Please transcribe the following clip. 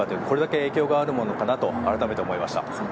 これだけ影響があるのかと思いました。